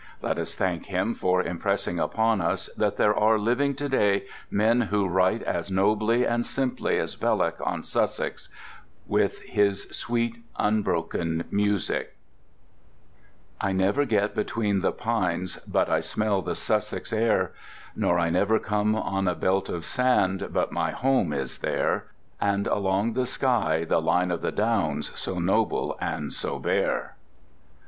Let us thank him for impressing upon us that there are living to day men who write as nobly and simply as Belloc on Sussex, with his sweet broken music: I never get between the pines But I smell the Sussex air; Nor I never come on a belt of sand But my home is there. And along the sky the line of the Downs So noble and so bare.